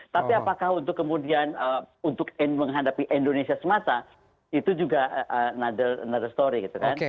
tapi apakah untuk kemudian untuk menghadapi indonesia semata itu juga nother noth story gitu kan